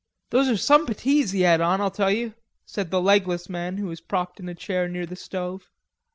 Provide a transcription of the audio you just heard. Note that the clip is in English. "Those are some puttees he had on, I'll tell you," said the legless man who was propped in a chair near the stove.